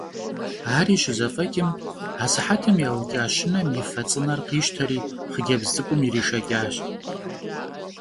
Ари щызэфӏэкӏым асыхьэтым яукӏа щынэм и фэ цӏынэр къищтэри хъыджэбз цӏыкӏум иришэкӏащ.